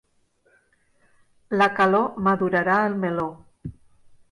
La calor madurarà el meló.